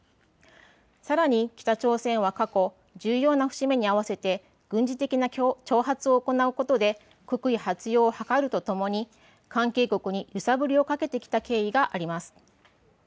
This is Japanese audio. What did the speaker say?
さらに北朝鮮は過去、重要な節目に合わせて軍事的な挑発を行うことで国威発揚を図るとともに関係国に揺さぶりをかけてきた経緯があります。